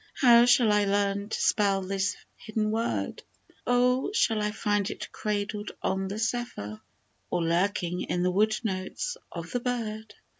How shall I learn to spell this hidden word ? Oh ! shall I find it cradled on the zephyr ? Or lurking in the wood notes of the bird